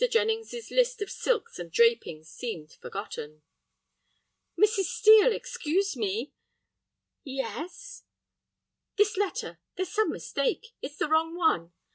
Jennings's list of silks and drapings seemed forgotten. "Mrs. Steel, excuse me—" "Yes?" "This letter; there's some mistake. It's the wrong one.